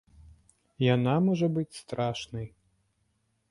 Яна можа быць страшнай.